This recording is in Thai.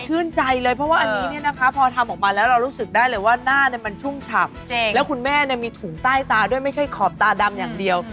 ใจเลยเพราะว่าอันนี้เนี่ยนะคะพอทำออกมาแล้วเรารู้สึกได้เลยว่าหน้ามันชุ่มฉ่ำแล้วคุณแม่มีถุงใต้ตาด้วยไม่ใช่ขอบตาดำอย่างเดียว